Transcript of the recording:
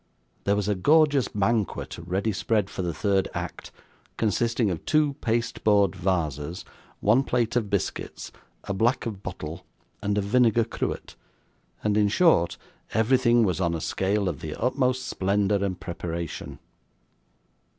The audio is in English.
There was a gorgeous banquet ready spread for the third act, consisting of two pasteboard vases, one plate of biscuits, a black bottle, and a vinegar cruet; and, in short, everything was on a scale of the utmost splendour and preparation.